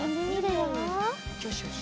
よしよし！